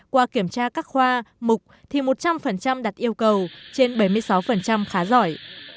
qua kiểm tra các khoa mục thì một trăm linh đặt yêu cầu trên bảy mươi sáu khá giỏi